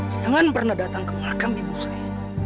jangan pernah datang ke makam ibu saya